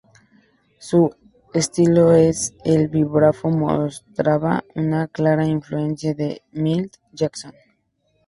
Su estilo en el vibráfono mostraba una clara influencia de Milt Jackson.